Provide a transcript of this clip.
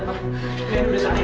nenek udah sadar